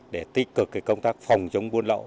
để tích cực công tác phòng giống buôn lậu